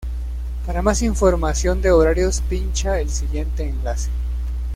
Para más información de horarios pincha el siguiente enlace.